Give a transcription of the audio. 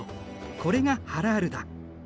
これがハラールだ。